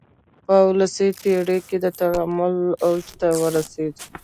په اولسمه پېړۍ کې د تکامل اوج ته ورسېد.